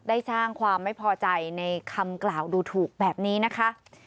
สร้างความไม่พอใจในคำกล่าวดูถูกแบบนี้นะคะ